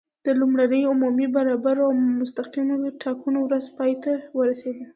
د لومړنیو عمومي، برابرو او مستقیمو ټاکنو ورځ پای ته ورسېده.